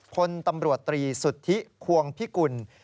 พลตำรวจตรีสุทธิควงพิกุล